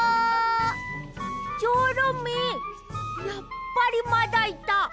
やっぱりまだいた。